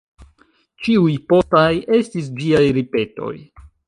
Ĉiuj postaj estis ĝiaj ripetoj.